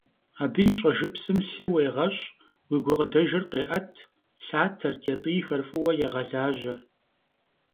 Абы и щӏэжыпсым лъы уегъэщӏ, уи гукъыдэжыр къеӏэт, лъатэр, кӏэтӏийхэр фӏыуэ егъэлажьэ.